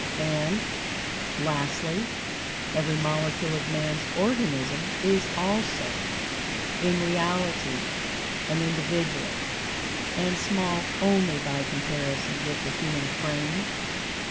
And, lastly, every molecule of Man's organism is also, in reality, an individual, and small only by comparison with the human frame.